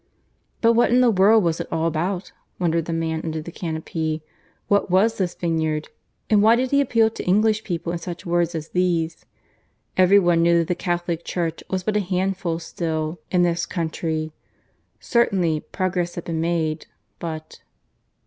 But what in the world was it all about, wondered the man under the canopy. What was this vineyard? and why did he appeal to English people in such words as these? Every one knew that the Catholic Church was but a handful still in this country. Certainly, progress had been made, but.